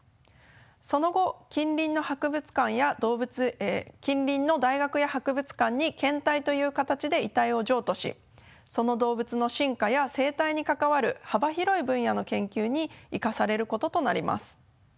その後近隣の大学や博物館に献体という形で遺体を譲渡しその動物の進化や生態に関わる幅広い分野の研究に生かされることとなります。